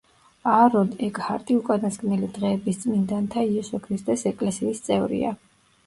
აარონ ეკჰარტი უკანასკნელი დღეების წმინდანთა იესო ქრისტეს ეკლესიის წევრია.